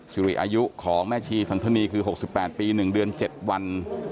สิริอายุของแม่ชีสันธนีคือ๖๘ปี๑เดือน๗วัน